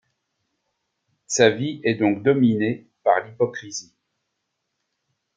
Sa vie est donc dominée par l’hypocrisie.